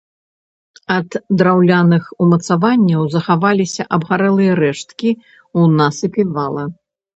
Ад драўляных умацаванняў захаваліся абгарэлыя рэшткі ў насыпе вала.